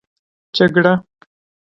جگړه